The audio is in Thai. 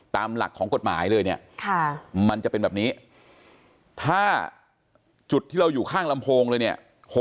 ตามหลักของกฎหมายเลยเนี่ยมันจะเป็นแบบนี้ถ้าจุดที่เราอยู่ข้างลำโพงเลยเนี่ย